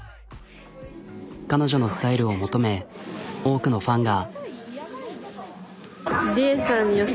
彼女のスタイルを求め多くのファンが。